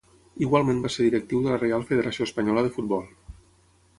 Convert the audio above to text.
Igualment va ser directiu de la Reial Federació Espanyola de Futbol.